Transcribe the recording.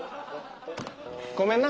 ごめんな。